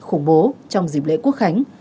khủng bố trong dịp lễ quốc khánh